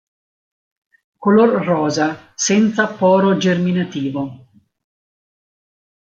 Color rosa, senza poro germinativo.